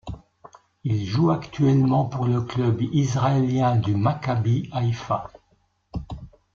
Il joue actuellement pour le club israélien du Maccabi Haïfa.